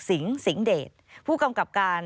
สิงห์สิงห์เดชผู้กำกับการ